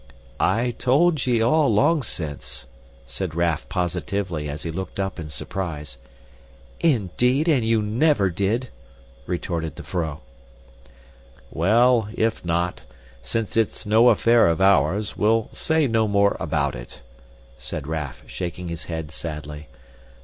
"I told ye all, long since," said Raff positively as he looked up in surprise. "Indeed, and you never did!" retorted the vrouw. "Well, if not, since it's no affair of ours, we'll say no more about it," said Raff, shaking his head sadly.